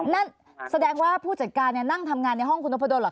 นั่นแสดงว่าผู้จัดการนั่งทำงานในห้องคุณนพดลเหรอ